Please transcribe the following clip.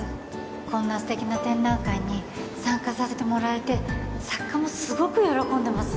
こんな素敵な展覧会に参加させてもらえて作家もすごく喜んでます